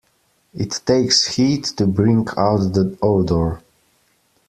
It takes heat to bring out the odor.